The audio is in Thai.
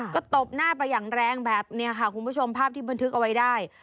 ก็ตบหน้าไปอย่างแรงแบบนี้ค่ะคุณผู้ชมภาพที่บันทึกเอาไว้ได้